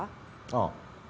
ああ。